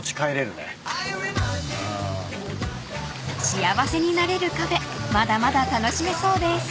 ［幸せになれるカフェまだまだ楽しめそうです］